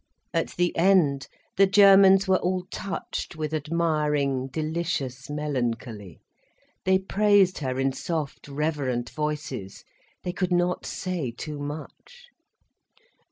At the end, the Germans were all touched with admiring, delicious melancholy, they praised her in soft, reverent voices, they could not say too much.